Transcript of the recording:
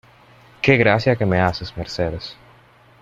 ¡Qué gracia que me haces Mercedes!